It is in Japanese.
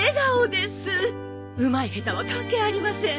うまい下手は関係ありません。